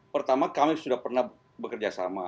pertama kami sudah pernah bekerja sama